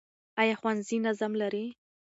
ایا ښوونځي نظم لري؟